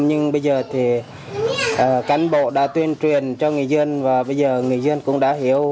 nhưng bây giờ thì cán bộ đã tuyên truyền cho người dân và bây giờ người dân cũng đã hiểu